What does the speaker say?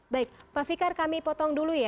baik pak fikar kami potong dulu ya